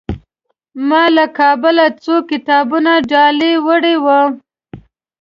ما له کابله څو کتابونه ډالۍ وړي وو.